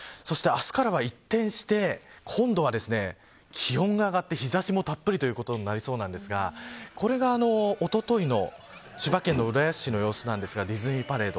そして明日からは一転して今度は気温が上がって、日差しもたっぷりということになりそうなんですがこれがおとといの千葉県の浦安市の様子なんですがディズニーパレード。